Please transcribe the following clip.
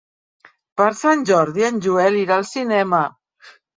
Per Sant Jordi en Joel irà al cinema.